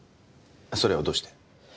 それはどうして？